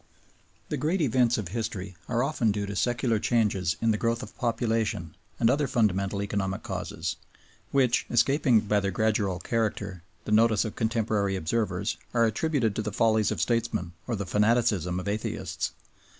The great events of history are often due to secular changes in the growth of population and other fundamental economic causes, which, escaping by their gradual character the notice of contemporary observers, are attributed to the follies of statesmen or the fanaticism of atheists.